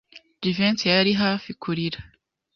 Jivency yari hafi kurira.